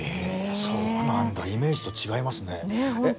そうなんだイメージと違いますね。